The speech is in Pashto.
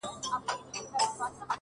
گراني ددې وطن په ورځ كي توره شپـه راځي ـ